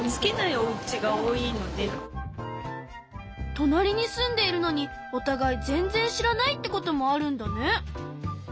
となりに住んでいるのにおたがい全然知らないってこともあるんだね。